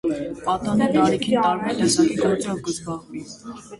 Պատանի տարիքին տարբեր տեսակի գործերով կը զբաղի։